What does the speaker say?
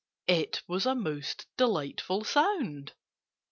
It was a most delightful sound.